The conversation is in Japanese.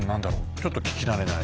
ちょっと聞き慣れない。